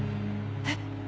えっ？